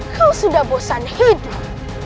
kau sudah bosan hidup